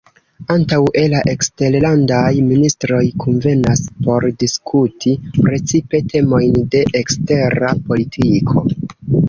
Antaŭe la eksterlandaj ministroj kunvenas por diskuti precipe temojn de ekstera politiko.